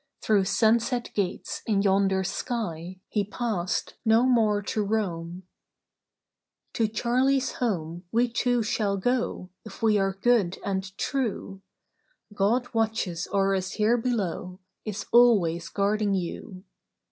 Through sunset gates in yonder sky, He passed no more to roam. 112 Charley's sister. "To Charley's home we too shall go, If we are good and true. God watches o'er us here below, Is always guarding you.